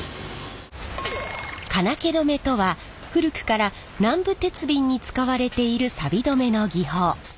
金気止めとは古くから南部鉄瓶に使われているさび止めの技法。